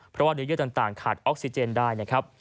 เพราะว่าเนื้อเยื่อต่างขาดออกซิเจนได้นะครับ